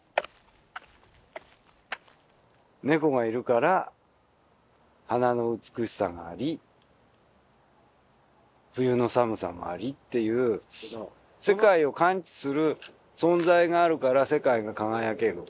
猫がいるから花の美しさがあり冬の寒さもありっていう世界を感知する存在があるから世界が輝けるとか。